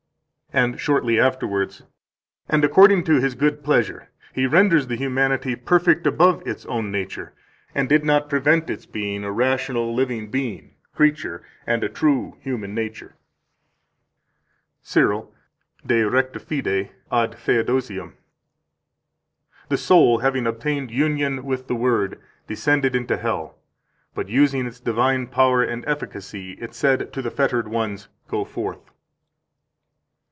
149 And shortly afterwards: "And according to His good pleasure He renders the humanity perfect above its own nature, and did not prevent its being a rational living being [creature, and a true human nature]." 150 CYRIL, De Recta Fide ad Theodosium (t. 5, op.): "The soul, having obtained union with the Word, descended into hell; but, using its divine power and efficacy, it said to the fettered ones, Go forth."